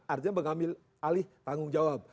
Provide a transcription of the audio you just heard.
artinya mengambil alih tanggung jawab